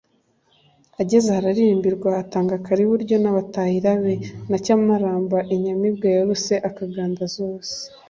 ageze aho ararambirwa atanga Kariburyo n’abatahira be na Cyamaramba inyamibwa yaruse Akaganda zose